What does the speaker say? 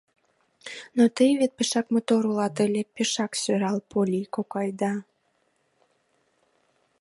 — Но тый вет пешак мотор улат ыле, пешак сӧрал, Полли кокай да...